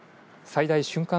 最大瞬間